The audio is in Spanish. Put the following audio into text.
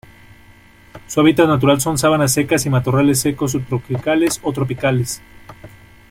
Su hábitat natural son sabanas secas y matorrales secos subtropicales o tropicales.